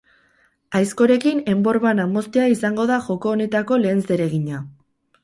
Aizkorekin enbor bana moztea izango da joko honetako lehen zeregina.